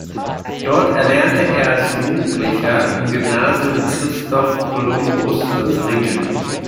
Dort erlernte er als Jugendlicher im Gymnasium Christoph Columbus das Ringen.